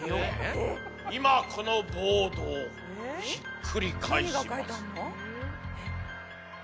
今このボードをひっくり返します。